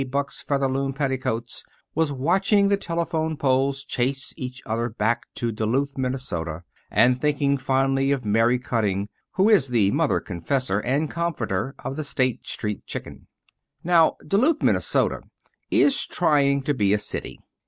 Buck's Featherloom Petticoats, was watching the telegraph poles chase each other back to Duluth, Minnesota, and thinking fondly of Mary Cutting, who is the mother confessor and comforter of the State Street chicken. Now, Duluth, Minnesota, is trying to be a city.